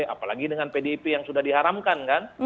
apalagi dengan pdip yang sudah diharamkan kan